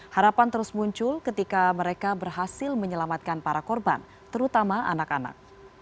harapan terus muncul ketika mereka berhasil menyelamatkan para korban terutama anak anak